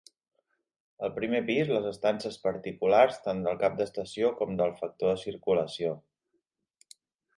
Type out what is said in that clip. Al primer pis les estances particulars tant del cap d'estació com del factor de circulació.